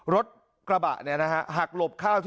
รถกระบะหักหลบ